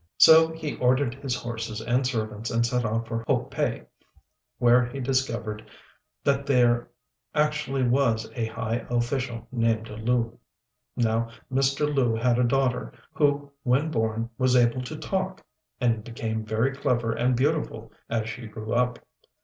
So he ordered his horses and servants, and set off for Ho pei, where he discovered that there actually was a high official named Lu. Now Mr. Lu had a daughter, who when born was able to talk, and became very clever and beautiful as she grew up.